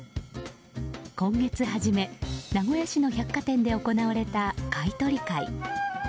今月初め、名古屋市の百貨店で行われた買い取り会。